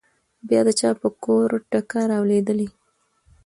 بيا د چا په کور ټکه رالوېدلې؟